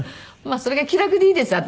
それが気楽でいいです私は。